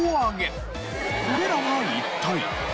これらは一体？